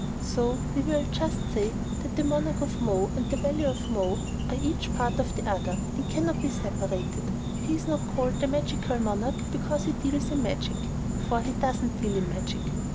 So we will just say that the Monarch of Mo and the Valley of Mo are each a part of the other, and can not be separated. He is not called the Magical Monarch because he deals in magic for he doesn't deal in magic.